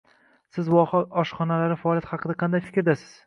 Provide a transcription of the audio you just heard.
Siz voha oshxonalari faoliyati haqida qanday fikrdasiz?